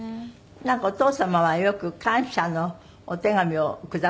なんかお父様はよく感謝のお手紙をくださるそうですけど。